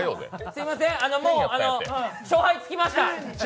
すみません、もう勝敗つきました。